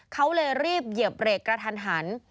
เขาเลยรีบเหยียบเบรกกระทันหัน